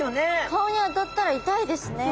顔に当たったら痛いですね。